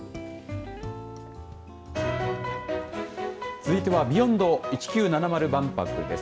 続いてはＢｅｙｏｎｄ１９７０万博です。